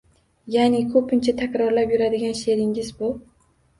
Ya’ni ko‘pincha takrorlab yuradigan she’ringiz bu.